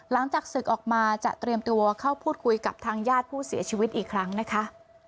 หลังจากศึกออกมาจะเตรียมตัวเข้าพูดคุยกับทางญาติผู้เสียชีวิตอีกครั้งนะคะ